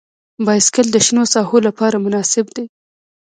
بایسکل د شنو ساحو لپاره مناسب دی.